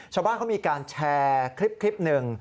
ชาวบ้านเขามีการแชร์คลิปหนึ่ง